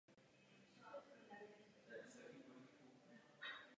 Druhotně byla zavlečena do Severní Ameriky.